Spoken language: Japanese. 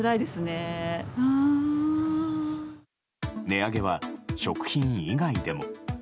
値上げは食品以外でも。